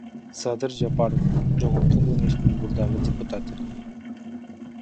Садыр Жапаров — Жогорку Кеңештин мурдагы депутаты.